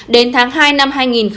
đến tháng hai năm hai nghìn hai mươi một